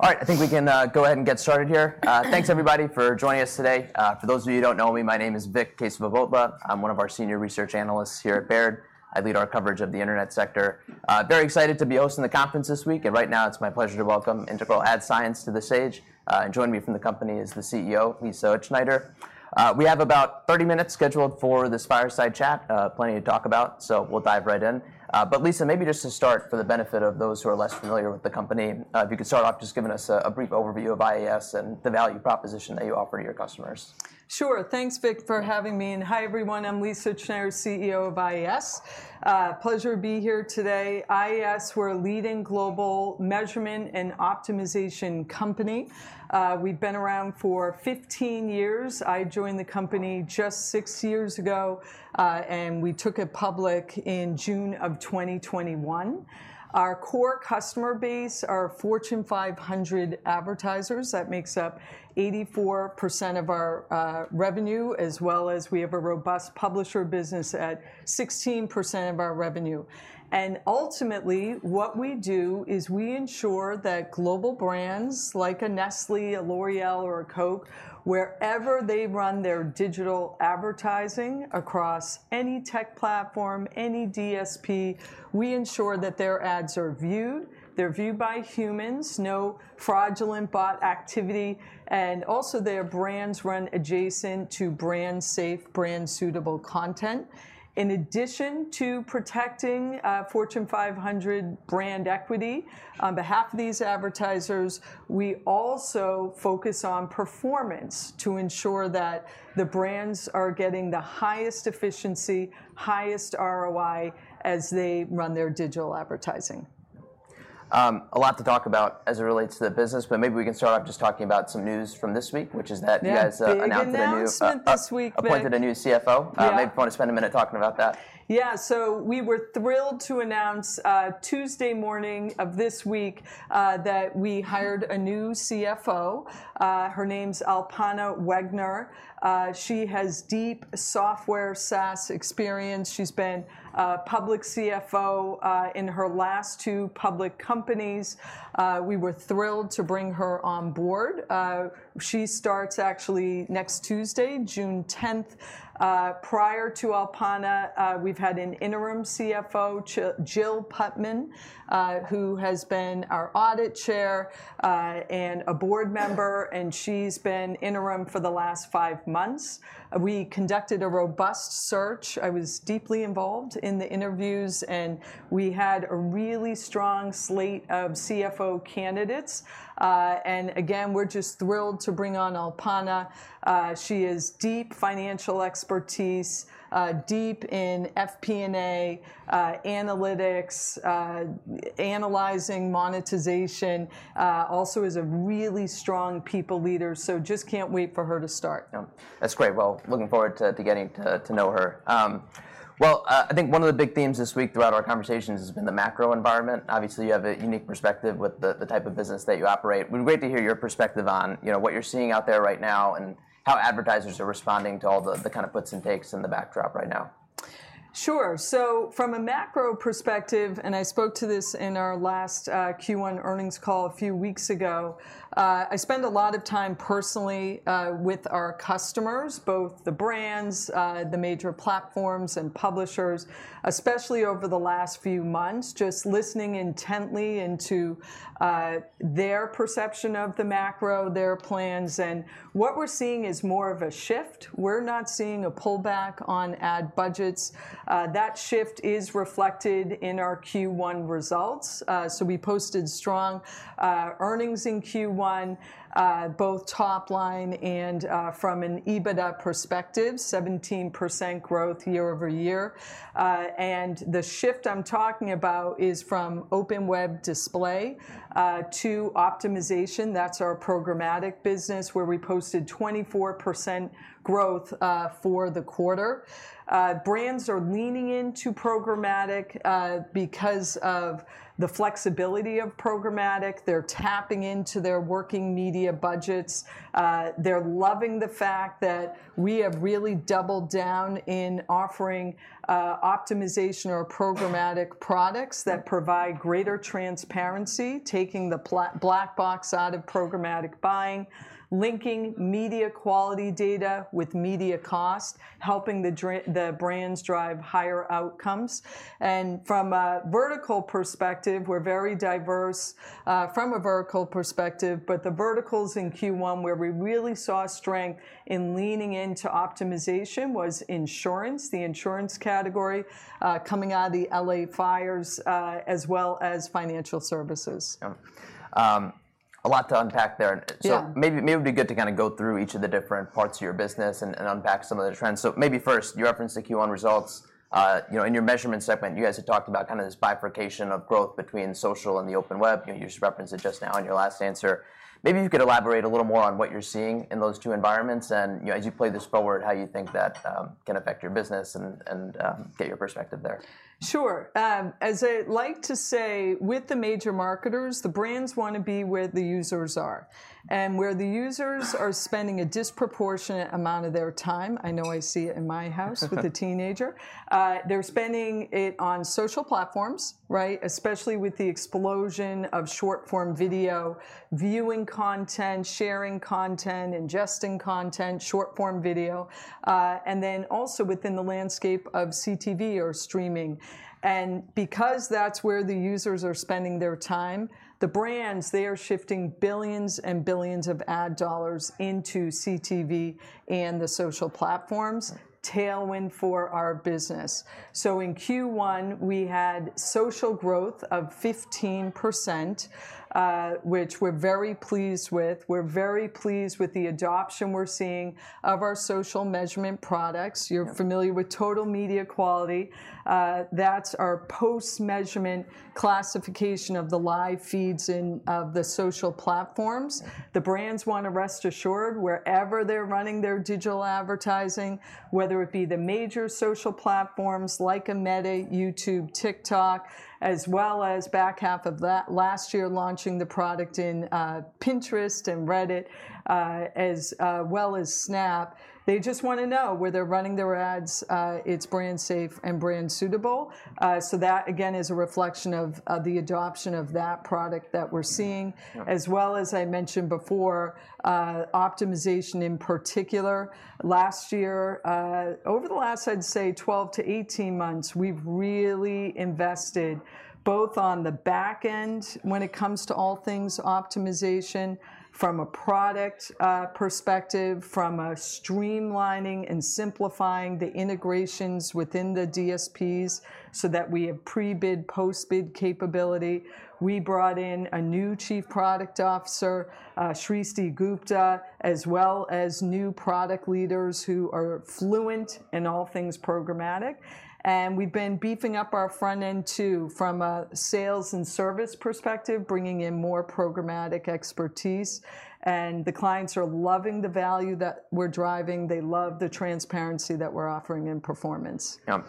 All right, I think we can go ahead and get started here. Thanks, everybody, for joining us today. For those of you who don't know me, my name is Vic Casavobota. I'm one of our senior research analysts here at Baird. I lead our coverage of the internet sector. Very excited to be hosting the conference this week. Right now, it's my pleasure to welcome Integral Ad Science to the stage. Joining me from the company is the CEO, Lisa Utzschneider. We have about 30 minutes scheduled for this fireside chat, plenty to talk about. We'll dive right in. Lisa, maybe just to start, for the benefit of those who are less familiar with the company, if you could start off just giving us a brief overview of IAS and the value proposition that you offer to your customers. Sure. Thanks, Vic, for having me. Hi, everyone. I'm Lisa Utzschneider, CEO of IAS. Pleasure to be here today. IAS, we're a leading global measurement and optimization company. We've been around for 15 years. I joined the company just six years ago. We took it public in June of 2021. Our core customer base are Fortune 500 advertisers. That makes up 84% of our revenue, as well as we have a robust publisher business at 16% of our revenue. Ultimately, what we do is we ensure that global brands like a Nestlé, a L'Oreal, or a Coke, wherever they run their digital advertising across any tech platform, any DSP, we ensure that their ads are viewed. They're viewed by humans, no fraudulent bot activity. Also, their brands run adjacent to brand-safe, brand-suitable content. In addition to protecting Fortune 500 brand equity on behalf of these advertisers, we also focus on performance to ensure that the brands are getting the highest efficiency, highest ROI as they run their digital advertising. A lot to talk about as it relates to the business. Maybe we can start off just talking about some news from this week, which is that you guys announced a new. Yeah, we announced this week. Appointed a new CFO. Yeah. Maybe you want to spend a minute talking about that. Yeah. We were thrilled to announce Tuesday morning of this week that we hired a new CFO. Her name's Alpana Wegner. She has deep software SaaS experience. She's been a public CFO in her last two public companies. We were thrilled to bring her on board. She starts actually next Tuesday, June 10. Prior to Alpana, we've had an interim CFO, Jill Putman, who has been our audit chair and a board member. She's been interim for the last five months. We conducted a robust search. I was deeply involved in the interviews. We had a really strong slate of CFO candidates. We're just thrilled to bring on Alpana. She has deep financial expertise, deep in FP&A, analytics, analyzing monetization, also is a really strong people leader. Just can't wait for her to start. That's great. Looking forward to getting to know her. I think one of the big themes this week throughout our conversations has been the macro environment. Obviously, you have a unique perspective with the type of business that you operate. It would be great to hear your perspective on what you're seeing out there right now and how advertisers are responding to all the kind of puts and takes in the backdrop right now. Sure. From a macro perspective, and I spoke to this in our last Q1 earnings call a few weeks ago, I spend a lot of time personally with our customers, both the brands, the major platforms, and publishers, especially over the last few months, just listening intently into their perception of the macro, their plans. What we're seeing is more of a shift. We're not seeing a pullback on ad budgets. That shift is reflected in our Q1 results. We posted strong earnings in Q1, both top line and from an EBITDA perspective, 17% growth year-over-year. The shift I'm talking about is from open web display to optimization. That's our programmatic business, where we posted 24% growth for the quarter. Brands are leaning into programmatic because of the flexibility of programmatic. They're tapping into their working media budgets. They're loving the fact that we have really doubled down in offering optimization or programmatic products that provide greater transparency, taking the black box out of programmatic buying, linking media quality data with media cost, helping the brands drive higher outcomes. From a vertical perspective, we're very diverse from a vertical perspective. The verticals in Q1 where we really saw strength in leaning into optimization was insurance, the insurance category, coming out of the LA fires, as well as financial services. A lot to unpack there. Yeah. Maybe it would be good to kind of go through each of the different parts of your business and unpack some of the trends. Maybe first, you referenced the Q1 results. In your measurement segment, you guys had talked about kind of this bifurcation of growth between social and the open web. You just referenced it just now in your last answer. Maybe you could elaborate a little more on what you're seeing in those two environments and, as you play this forward, how you think that can affect your business and get your perspective there. Sure. As I like to say, with the major marketers, the brands want to be where the users are. Where the users are spending a disproportionate amount of their time, I know I see it in my house with a teenager, they're spending it on social platforms, right, especially with the explosion of short-form video, viewing content, sharing content, ingesting content, short-form video, and then also within the landscape of CTV or streaming. Because that's where the users are spending their time, the brands, they are shifting billions and billions of ad dollars into CTV and the social platforms, tailwind for our business. In Q1, we had social growth of 15%, which we're very pleased with. We're very pleased with the adoption we're seeing of our social measurement products. You're familiar with Total Media Quality. That's our post-measurement classification of the live feeds of the social platforms. The brands want to rest assured wherever they're running their digital advertising, whether it be the major social platforms like Meta, YouTube, TikTok, as well as back half of last year launching the product in Pinterest and Reddit, as well as Snap. They just want to know where they're running their ads, it's brand safe and brand suitable. That, again, is a reflection of the adoption of that product that we're seeing, as well as, I mentioned before, optimization in particular. Last year, over the last, I'd say, 12-18 months, we've really invested both on the back end when it comes to all things optimization from a product perspective, from streamlining and simplifying the integrations within the DSPs so that we have pre-bid, post-bid capability. We brought in a new Chief Product Officer, Sristi Gupta, as well as new product leaders who are fluent in all things programmatic. We have been beefing up our front end too from a sales and service perspective, bringing in more programmatic expertise. The clients are loving the value that we are driving. They love the transparency that we are offering in performance. Yeah.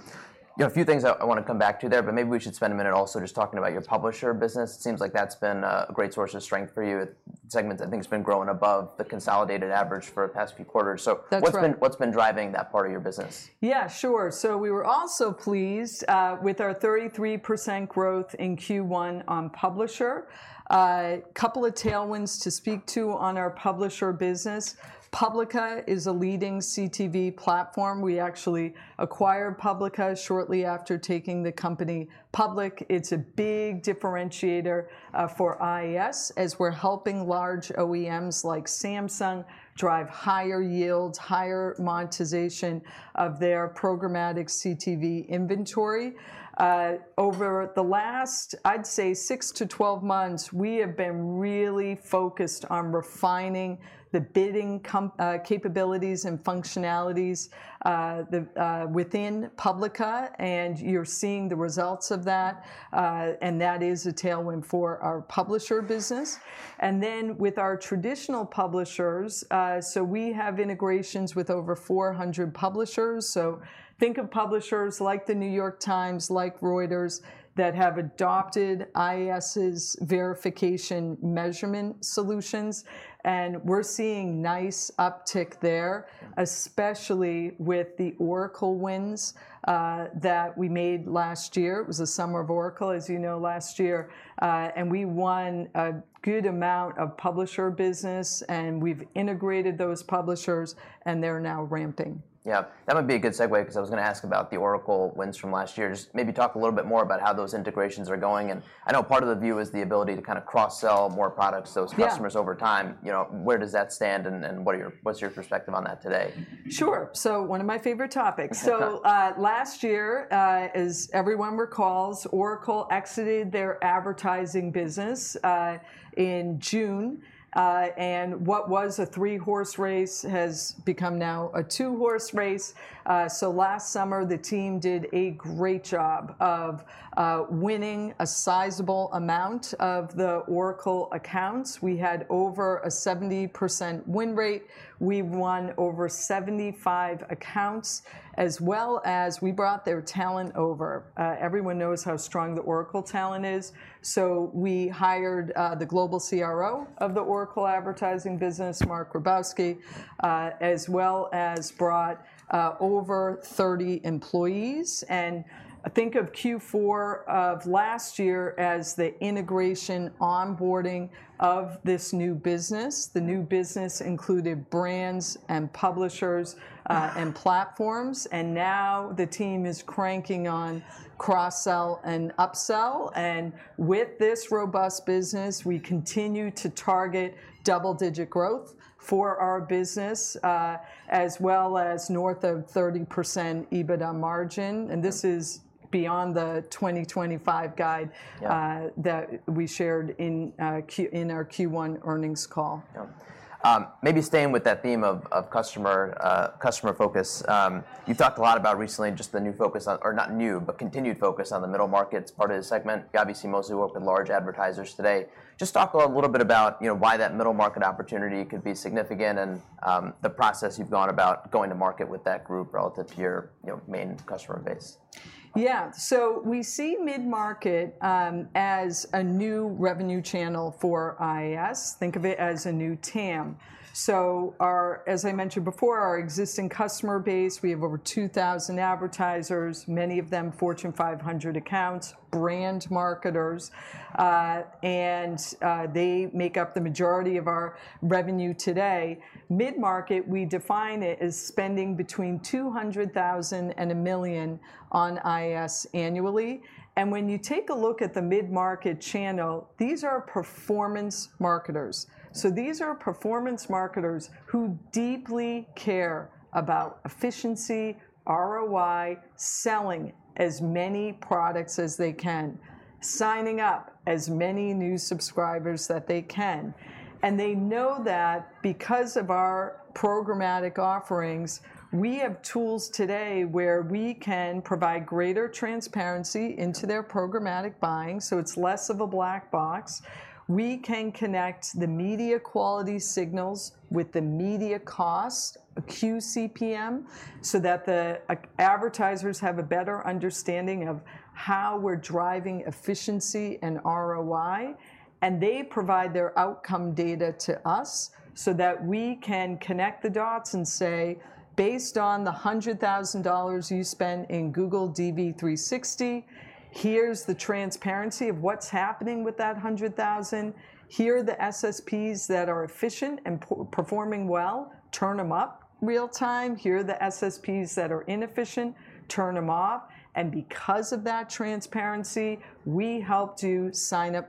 A few things I want to come back to there. Maybe we should spend a minute also just talking about your publisher business. It seems like that's been a great source of strength for you. Segments, I think, have been growing above the consolidated average for the past few quarters. That's right. What's been driving that part of your business? Yeah, sure. We were also pleased with our 33% growth in Q1 on publisher. A couple of tailwinds to speak to on our publisher business. Publica is a leading CTV platform. We actually acquired Publica shortly after taking the company public. It is a big differentiator for IAS as we are helping large OEMs like Samsung drive higher yields, higher monetization of their programmatic CTV inventory. Over the last, I would say, 6-12 months, we have been really focused on refining the bidding capabilities and functionalities within Publica. You are seeing the results of that. That is a tailwind for our publisher business. With our traditional publishers, we have integrations with over 400 publishers. Think of publishers like The New York Times, like Reuters that have adopted IAS's verification measurement solutions. We're seeing nice uptick there, especially with the Oracle wins that we made last year. It was the summer of Oracle, as you know, last year. We won a good amount of publisher business. We've integrated those publishers, and they're now ramping. Yeah. That might be a good segue because I was going to ask about the Oracle wins from last year. Just maybe talk a little bit more about how those integrations are going. I know part of the view is the ability to kind of cross-sell more products to those customers over time. Where does that stand? What's your perspective on that today? Sure. One of my favorite topics. Last year, as everyone recalls, Oracle exited their advertising business in June. What was a three-horse race has become now a two-horse race. Last summer, the team did a great job of winning a sizable amount of the Oracle accounts. We had over a 70% win rate. We won over 75 accounts, as well as we brought their talent over. Everyone knows how strong the Oracle talent is. We hired the global CRO of the Oracle advertising business, Mark Grabowski, as well as brought over 30 employees. Think of Q4 of last year as the integration onboarding of this new business. The new business included brands and publishers and platforms. Now the team is cranking on cross-sell and upsell. With this robust business, we continue to target double-digit growth for our business, as well as north of 30% EBITDA margin. This is beyond the 2025 guide that we shared in our Q1 earnings call. Maybe staying with that theme of customer focus, you've talked a lot about recently just the new focus on, or not new, but continued focus on the middle markets part of the segment. You obviously mostly work with large advertisers today. Just talk a little bit about why that middle market opportunity could be significant and the process you've gone about going to market with that group relative to your main customer base. Yeah. We see mid-market as a new revenue channel for IAS. Think of it as a new TAM. As I mentioned before, our existing customer base, we have over 2,000 advertisers, many of them Fortune 500 accounts, brand marketers. They make up the majority of our revenue today. Mid-market, we define it as spending between $200,000 and $1 million on IAS annually. When you take a look at the mid-market channel, these are performance marketers. These are performance marketers who deeply care about efficiency, ROI, selling as many products as they can, signing up as many new subscribers as they can. They know that because of our programmatic offerings, we have tools today where we can provide greater transparency into their programmatic buying. It is less of a black box. We can connect the media quality signals with the media cost, QCPM, so that the advertisers have a better understanding of how we're driving efficiency and ROI. They provide their outcome data to us so that we can connect the dots and say, based on the $100,000 you spend in Google DV360, here's the transparency of what's happening with that $100,000. Here are the SSPs that are efficient and performing well. Turn them up real time. Here are the SSPs that are inefficient. Turn them off. Because of that transparency, we help to sign up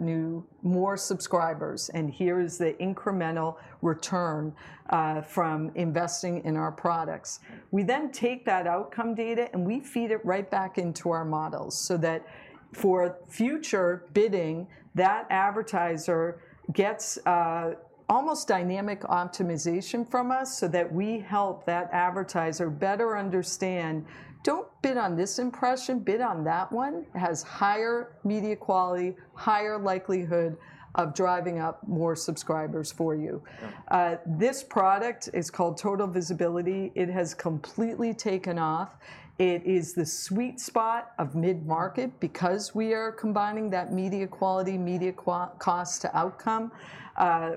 more subscribers. Here is the incremental return from investing in our products. We then take that outcome data and we feed it right back into our models so that for future bidding, that advertiser gets almost dynamic optimization from us so that we help that advertiser better understand, do not bid on this impression. Bid on that one, has higher media quality, higher likelihood of driving up more subscribers for you. This product is called Total Visibility. It has completely taken off. It is the sweet spot of mid-market because we are combining that media quality, media cost to outcome.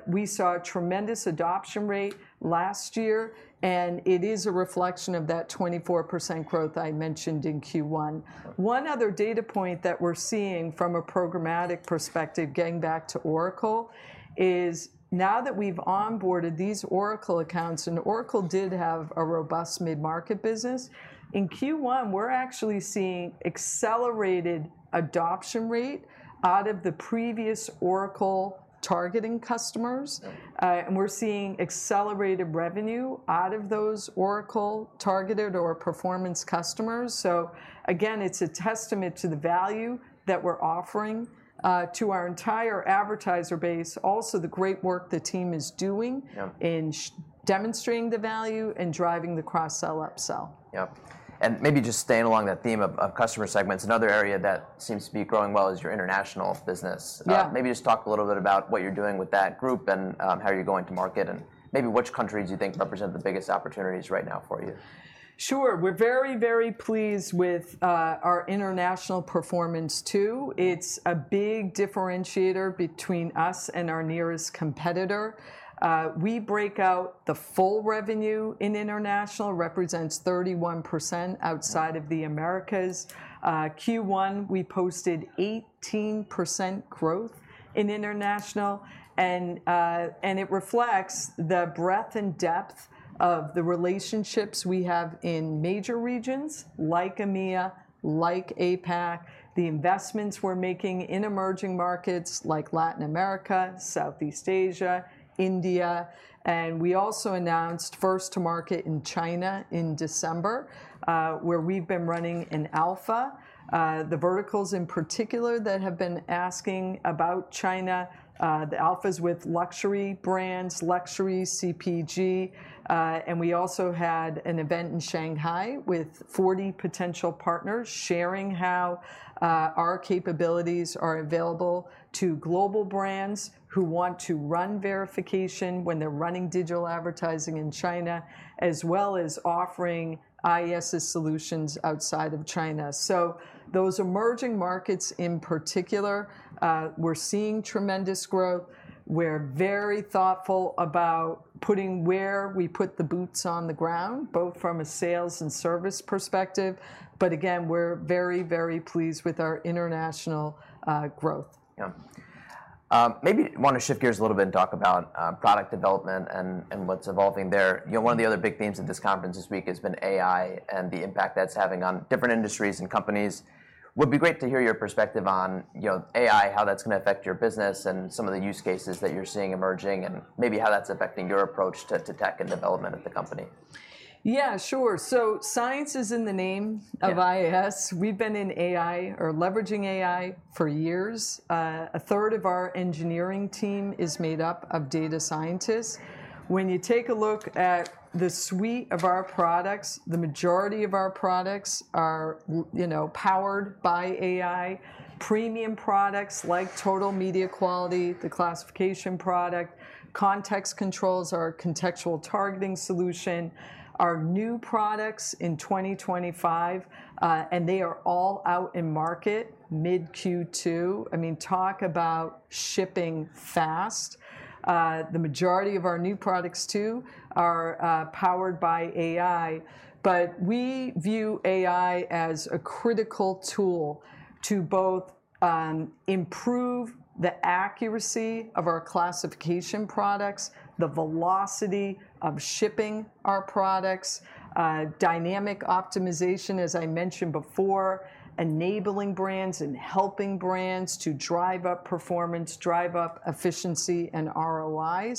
We saw a tremendous adoption rate last year. It is a reflection of that 24% growth I mentioned in Q1. One other data point that we're seeing from a programmatic perspective getting back to Oracle is now that we've onboarded these Oracle accounts, and Oracle did have a robust mid-market business, in Q1, we're actually seeing accelerated adoption rate out of the previous Oracle targeting customers. We're seeing accelerated revenue out of those Oracle targeted or performance customers. Again, it's a testament to the value that we're offering to our entire advertiser base, also the great work the team is doing in demonstrating the value and driving the cross-sell, upsell. Yeah. Maybe just staying along that theme of customer segments, another area that seems to be growing well is your international business. Yeah. Maybe just talk a little bit about what you're doing with that group and how you're going to market and maybe which countries you think represent the biggest opportunities right now for you. Sure. We're very, very pleased with our international performance too. It's a big differentiator between us and our nearest competitor. We break out the full revenue in international, represents 31% outside of the Americas. Q1, we posted 18% growth in international. It reflects the breadth and depth of the relationships we have in major regions like EMEA, like APAC. The investments we're making in emerging markets like Latin America, Southeast Asia, India. We also announced first to market in China in December, where we've been running an alpha. The verticals in particular that have been asking about China, the alphas with luxury brands, luxury CPG. We also had an event in Shanghai with 40 potential partners sharing how our capabilities are available to global brands who want to run verification when they're running digital advertising in China, as well as offering IAS's solutions outside of China. Those emerging markets in particular, we're seeing tremendous growth. We're very thoughtful about where we put the boots on the ground, both from a sales and service perspective. Again, we're very, very pleased with our international growth. Yeah. Maybe want to shift gears a little bit and talk about product development and what's evolving there. One of the other big themes of this conference this week has been AI and the impact that it's having on different industries and companies. Would be great to hear your perspective on AI, how that's going to affect your business and some of the use cases that you're seeing emerging and maybe how that's affecting your approach to tech and development at the company. Yeah, sure. So science is in the name of IAS. We've been in AI or leveraging AI for years. A third of our engineering team is made up of data scientists. When you take a look at the suite of our products, the majority of our products are powered by AI. Premium products like Total Media Quality, the classification product, Context Controls, our contextual targeting solution. Our new products in 2025, and they are all out in market mid-Q2. I mean, talk about shipping fast. The majority of our new products too are powered by AI. We view AI as a critical tool to both improve the accuracy of our classification products, the velocity of shipping our products, dynamic optimization, as I mentioned before, enabling brands and helping brands to drive up performance, drive up efficiency, and ROI.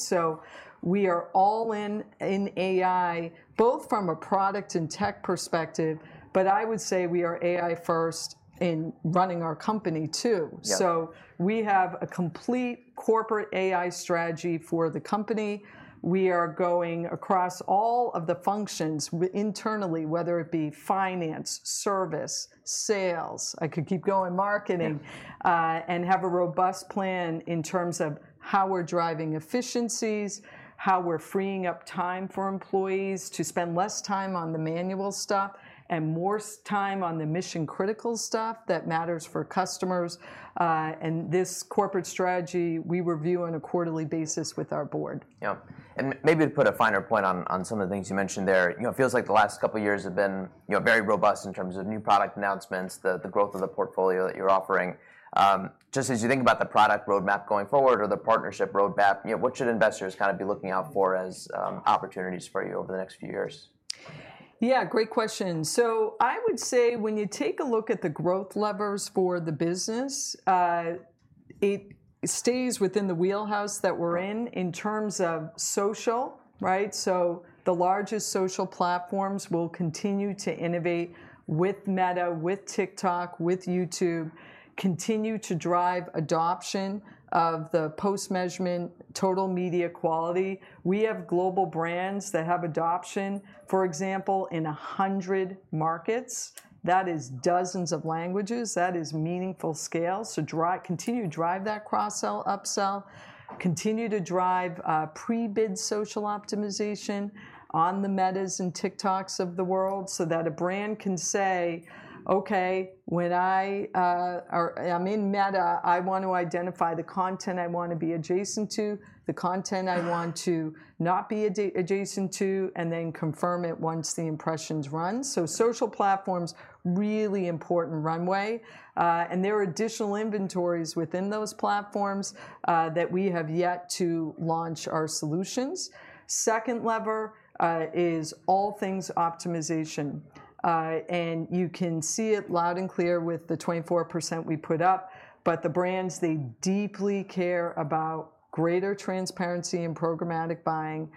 We are all in AI, both from a product and tech perspective. I would say we are AI first in running our company too. We have a complete corporate AI strategy for the company. We are going across all of the functions internally, whether it be finance, service, sales. I could keep going, marketing, and have a robust plan in terms of how we're driving efficiencies, how we're freeing up time for employees to spend less time on the manual stuff and more time on the mission-critical stuff that matters for customers. This corporate strategy, we review on a quarterly basis with our board. Yeah. Maybe to put a finer point on some of the things you mentioned there, it feels like the last couple of years have been very robust in terms of new product announcements, the growth of the portfolio that you're offering. Just as you think about the product roadmap going forward or the partnership roadmap, what should investors kind of be looking out for as opportunities for you over the next few years? Yeah, great question. I would say when you take a look at the growth levers for the business, it stays within the wheelhouse that we're in in terms of social, right? The largest social platforms will continue to innovate with Meta, with TikTok, with YouTube, continue to drive adoption of the post-measurement Total Media Quality. We have global brands that have adoption, for example, in 100 markets. That is dozens of languages. That is meaningful scale. Continue to drive that cross-sell, upsell, continue to drive pre-bid social optimization on the Metas and TikToks of the world so that a brand can say, "Okay, when I'm in Meta, I want to identify the content I want to be adjacent to, the content I want to not be adjacent to," and then confirm it once the impressions run. Social platforms, really important runway. There are additional inventories within those platforms that we have yet to launch our solutions. The second lever is all things optimization. You can see it loud and clear with the 24% we put up. The brands, they deeply care about greater transparency and programmatic buying,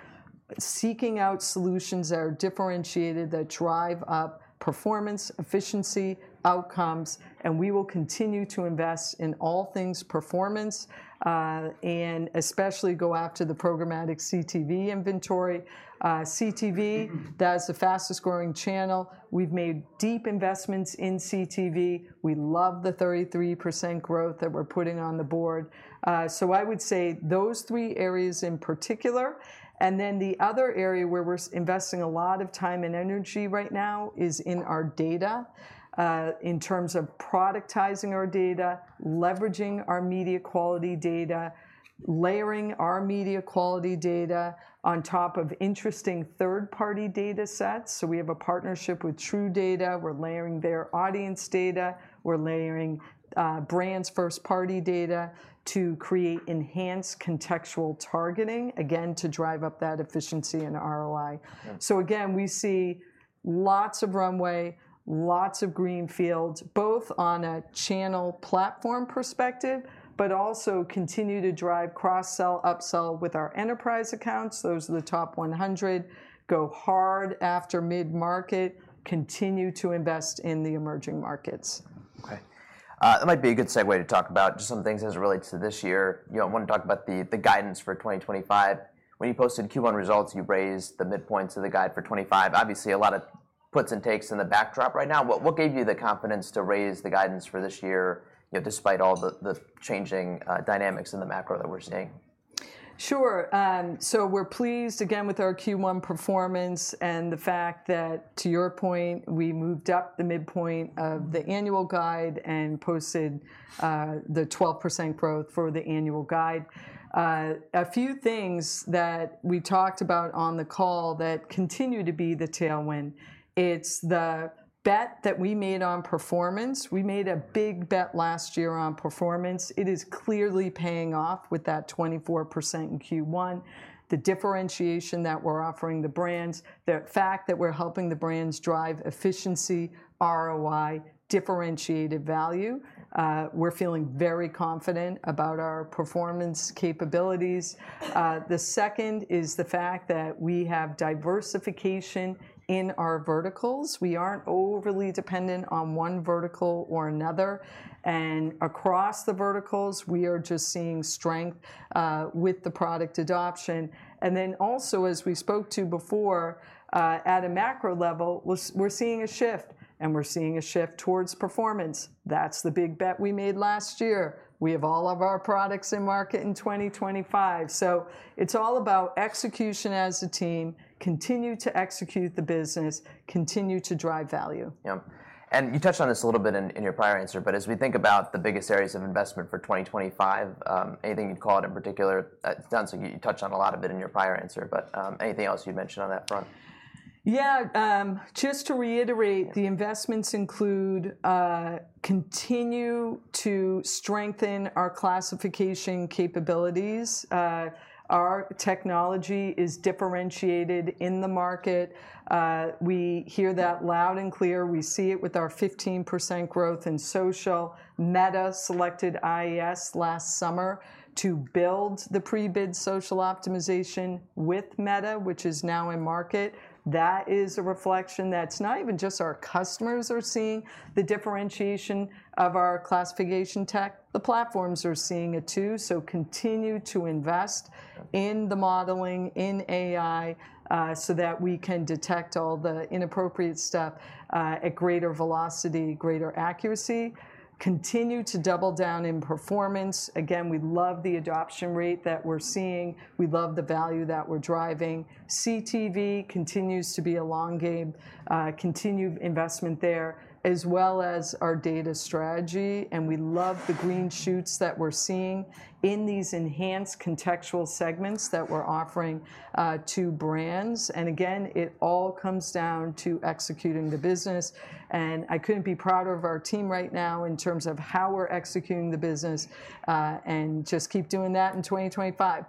seeking out solutions that are differentiated, that drive up performance, efficiency, outcomes. We will continue to invest in all things performance and especially go after the programmatic CTV inventory. CTV, that is the fastest growing channel. We have made deep investments in CTV. We love the 33% growth that we are putting on the board. I would say those three areas in particular. The other area where we're investing a lot of time and energy right now is in our data in terms of productizing our data, leveraging our media quality data, layering our media quality data on top of interesting third-party data sets. We have a partnership with True Data. We're layering their audience data. We're layering brands' first-party data to create enhanced contextual targeting, again, to drive up that efficiency and ROI. We see lots of runway, lots of greenfields, both on a channel platform perspective, but also continue to drive cross-sell, upsell with our enterprise accounts. Those are the top 100. Go hard after mid-market. Continue to invest in the emerging markets. Okay. That might be a good segue to talk about just some things as it relates to this year. I want to talk about the guidance for 2025. When you posted Q1 results, you raised the midpoint to the guide for 2025. Obviously, a lot of puts and takes in the backdrop right now. What gave you the confidence to raise the guidance for this year despite all the changing dynamics in the macro that we're seeing? Sure. We are pleased, again, with our Q1 performance and the fact that, to your point, we moved up the midpoint of the annual guide and posted the 12% growth for the annual guide. A few things that we talked about on the call that continue to be the tailwind. It is the bet that we made on performance. We made a big bet last year on performance. It is clearly paying off with that 24% in Q1. The differentiation that we are offering the brands, the fact that we are helping the brands drive efficiency, ROI, differentiated value. We are feeling very confident about our performance capabilities. The second is the fact that we have diversification in our verticals. We are not overly dependent on one vertical or another. Across the verticals, we are just seeing strength with the product adoption. As we spoke to before, at a macro level, we're seeing a shift, and we're seeing a shift towards performance. That's the big bet we made last year. We have all of our products in market in 2025. It is all about execution as a team, continue to execute the business, continue to drive value. Yeah. You touched on this a little bit in your prior answer, but as we think about the biggest areas of investment for 2025, anything you'd call out in particular? It sounds like you touched on a lot of it in your prior answer, but anything else you'd mention on that front? Yeah. Just to reiterate, the investments include continue to strengthen our classification capabilities. Our technology is differentiated in the market. We hear that loud and clear. We see it with our 15% growth in social. Meta selected IAS last summer to build the pre-bid social optimization with Meta, which is now in market. That is a reflection that's not even just our customers are seeing. The differentiation of our classification tech, the platforms are seeing it too. Continue to invest in the modeling, in AI, so that we can detect all the inappropriate stuff at greater velocity, greater accuracy. Continue to double down in performance. Again, we love the adoption rate that we're seeing. We love the value that we're driving. CTV continues to be elongated. Continued investment there, as well as our data strategy. We love the green shoots that we're seeing in these enhanced contextual segments that we're offering to brands. Again, it all comes down to executing the business. I couldn't be prouder of our team right now in terms of how we're executing the business and just keep doing that in 2025.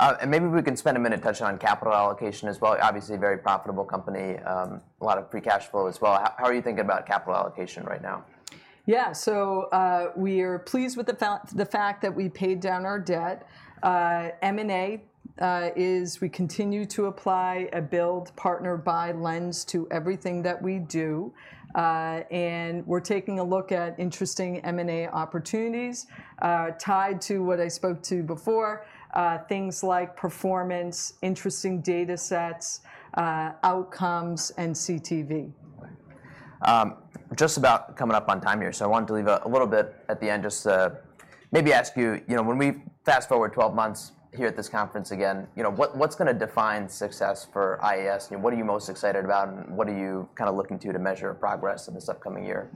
Yeah. Maybe we can spend a minute touching on capital allocation as well. Obviously, very profitable company, a lot of free cash flow as well. How are you thinking about capital allocation right now? Yeah. We are pleased with the fact that we paid down our debt. M&A is we continue to apply a Build Partner Buy lens to everything that we do. We are taking a look at interesting M&A opportunities tied to what I spoke to before, things like performance, interesting data sets, outcomes, and CTV. Just about coming up on time here. I wanted to leave a little bit at the end just to maybe ask you, when we fast forward 12 months here at this conference again, what's going to define success for IAS? What are you most excited about? What are you kind of looking to to measure progress in this upcoming year?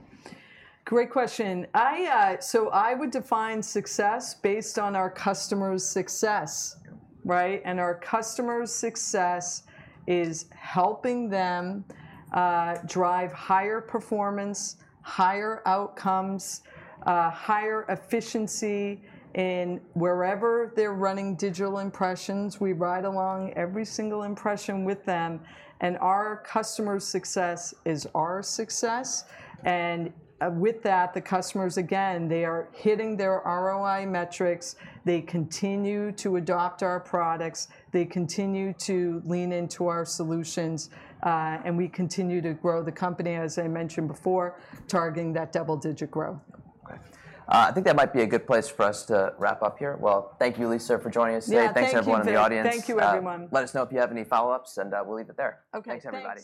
Great question. I would define success based on our customers' success, right? Our customers' success is helping them drive higher performance, higher outcomes, higher efficiency in wherever they are running digital impressions. We ride along every single impression with them. Our customers' success is our success. The customers, again, they are hitting their ROI metrics. They continue to adopt our products. They continue to lean into our solutions. We continue to grow the company, as I mentioned before, targeting that double-digit growth. Okay. I think that might be a good place for us to wrap up here. Thank you, Lisa, for joining us today. Thanks, everyone in the audience. Thank you, everyone. Let us know if you have any follow-ups, and we'll leave it there. Okay. Thanks everybody.